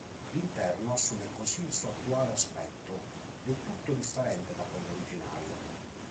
L’interno assume così il suo attuale aspetto, del tutto differente da quello originario.